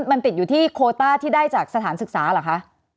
มันติดอยู่ที่โคต้าที่ได้จากสถานศึกษาเหรอคะ